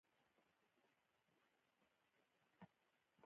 د ادې د اپرېشن ټکونه چې يې واخيستل.